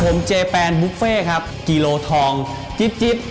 ผมเจแปนบุฟเฟ่ครับกิโลทองจิ๊บ